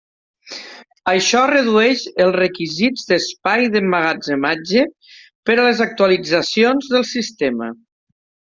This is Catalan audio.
Això redueix els requisits d'espai d'emmagatzematge per a les actualitzacions del sistema.